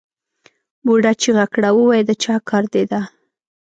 بوډا چیغه کړه ووایه د چا کار دی دا؟